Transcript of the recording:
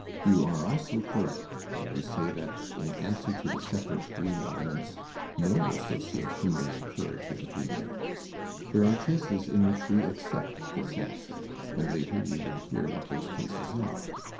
You are also correct when you say that in answer to the separate dream elements no association may occur to the dreamer. There are cases in which we accept this answer, and later you will hear what those cases are.